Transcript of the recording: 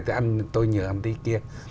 thì tôi nhường anh tí kia